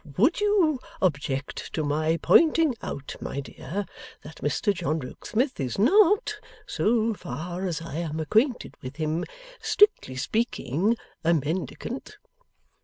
Would you object to my pointing out, my dear, that Mr John Rokesmith is not (so far as I am acquainted with him), strictly speaking, a Mendicant.